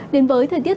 đến với thời tiết